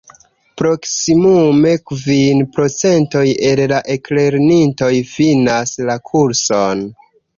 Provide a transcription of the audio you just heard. Proksimume kvin procentoj el la eklernintoj finas la kurson.